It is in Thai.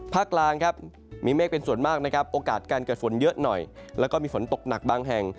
ภาคล่างมีเมฆเป็นส่วนมากโอกาสการเกิดฝนเยอะหน่อยและมีฝนตกหนักบางแห่ง